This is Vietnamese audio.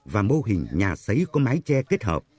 và mô hình nhà xấy có mái che kết hợp